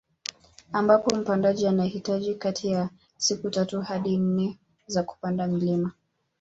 Ambapo mpandaji anahitaji kati ya siku tatu hadi nne za kupanda mlima